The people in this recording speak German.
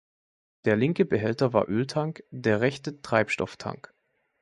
Der linke Behälter war Öltank, der rechte Treibstofftank.